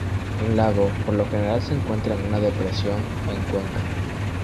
Un lago por lo general se encuentra en una depresión o cuenca.